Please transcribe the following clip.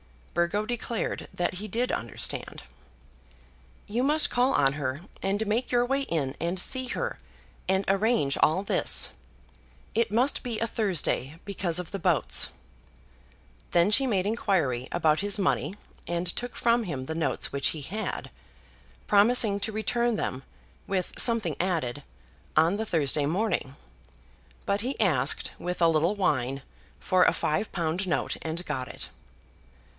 Burgo declared that he did understand. "You must call on her, and make your way in, and see her, and arrange all this. It must be a Thursday, because of the boats." Then she made inquiry about his money, and took from him the notes which he had, promising to return them, with something added, on the Thursday morning; but he asked, with a little whine, for a five pound note, and got it.